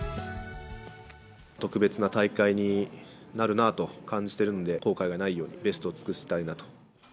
特別な大会になるなと感じてるので、後悔がないようにベストを尽くしたいなと。